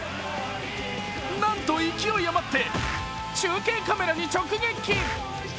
なんと勢い余って、中継カメラに直撃。